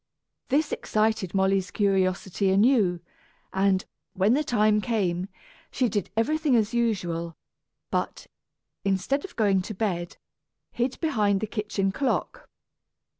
This excited Molly's curiosity anew and, when the next time came, she did everything as usual, but, instead of going to bed, hid behind the kitchen clock.